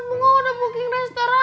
ibu kan bunga udah booking restoran ya